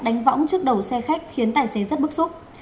đánh võng trước đầu xe khách khiến tài xế rất bức xúc